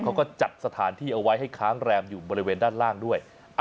เขาก็จัดสถานที่เอาไว้ให้ค้างแรมอยู่บริเวณด้านล่างด้วย